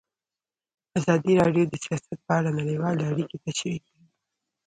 ازادي راډیو د سیاست په اړه نړیوالې اړیکې تشریح کړي.